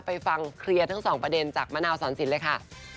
ไปฟังเคลียร์ทั้งสองประเด็นจากมะนาวสอนสินเลยค่ะ